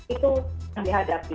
itu yang dihadapi